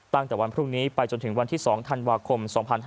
ตั้งแต่วันพรุ่งนี้ไปจนถึงวันที่๒ธันวาคม๒๕๕๙